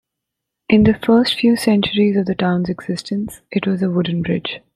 In the first few centuries of the town's existence, it was a wooden bridge.